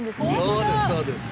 そうですそうです。